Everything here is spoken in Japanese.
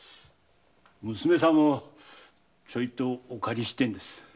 娘さんをちょいとお借りしたいんです。